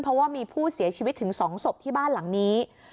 เพราะว่ามีผู้เสียชีวิตถึง๒ศพที่บ้านหลังนี้